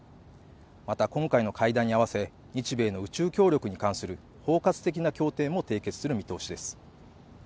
また今回の会談に合わせ日米の宇宙協力に関する包括的な協定を締結する見通しです